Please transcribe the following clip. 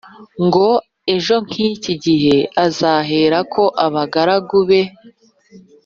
ngo ejo nk iki gihe azohereza abagaragu be